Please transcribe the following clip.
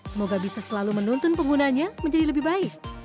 semoga bisa selalu menuntun penggunanya menjadi lebih baik